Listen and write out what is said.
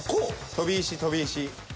飛び石飛び石。